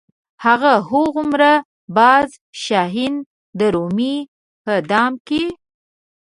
هغه هومره باز شاهین درومي په دم کې.